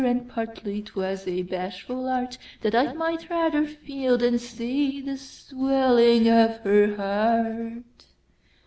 And partly 'twas a bashful artThat I might rather feel, than see, The swelling of her heart.